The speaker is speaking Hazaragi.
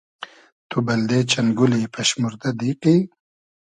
تو بئلدې چئن گولی پئشموردۂ دیقی؟